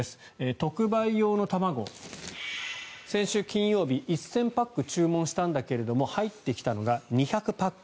特売用の卵、先週金曜日１０００パック注文したんだけど入ってきたのが２００パック。